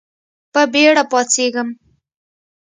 په بېړه پاڅېږم .